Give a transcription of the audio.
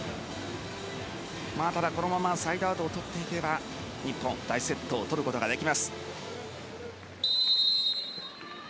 ただ、このままサイドアウトを取っていければ日本、第１セットを取ることができます。